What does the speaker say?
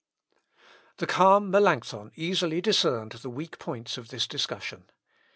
The calm Melancthon easily discerned the weak points of this discussion.